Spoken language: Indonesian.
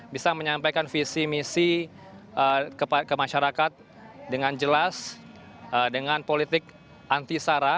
bisa menyampaikan visi misi ke masyarakat dengan jelas dengan politik anti sara